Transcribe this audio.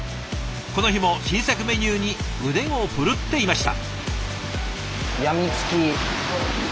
この日も新作メニューに腕を振るっていました。